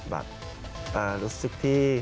แบบรู้สึกที่